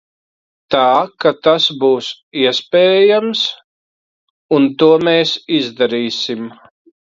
Tā ka tas būs iespējams, un to mēs izdarīsim.